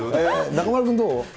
中丸君どう？